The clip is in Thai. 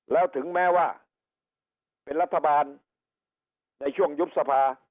แล้วถึงแม้ว่าเป็นรัฐบาลในช่วงยุบสภา